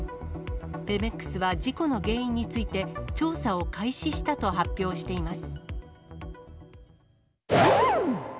ペメックスは事故の原因について、調査を開始したと発表しています。